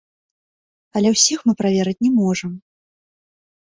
Але ўсіх мы праверыць не можам.